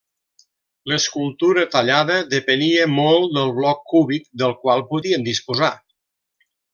L'escultura tallada depenia molt del bloc cúbic del qual podien disposar.